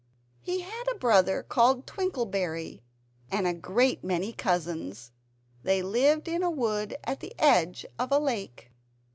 He had a brother called Twinkleberry, and a great many cousins: they lived in a wood at the edge of a lake.